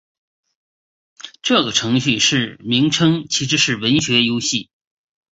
这个程序的名称其实是个文字游戏。